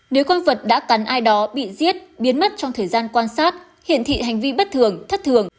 nếu con vật đã cắn ai đó bị giết biến mất trong thời gian quan sát hiển thị hành vi bất thường thất thường